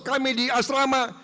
kami di asrama